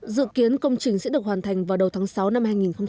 dự kiến công trình sẽ được hoàn thành vào đầu tháng sáu năm hai nghìn một mươi chín